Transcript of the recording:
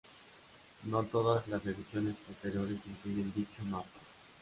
No todas las ediciones posteriores incluyen dicho mapa.